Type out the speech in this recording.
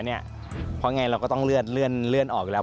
เพราะไงเราก็ต้องเลื่อนออกอยู่แล้ว